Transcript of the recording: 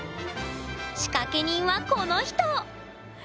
仕掛け人はこの人！